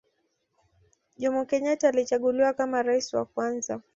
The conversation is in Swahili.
Jomo Kenyatta alichaguliwa kama rais wa kwanza